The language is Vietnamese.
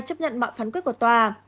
chấp nhận bạo phán quyết của tòa